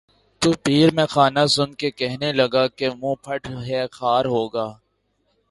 تو پیر مے خانہ سن کے کہنے لگا کہ منہ پھٹ ہے خار ہوگا